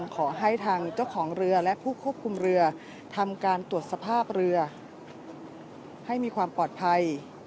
ขอให้ทางเจ้าของเรือและผู้ควบคุมเรือทำการตรวจสภาพเรือให้มีความปลอดภัย